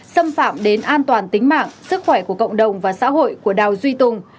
xâm phạm đến an toàn tính mạng sức khỏe của cộng đồng và xã hội của đào duy tùng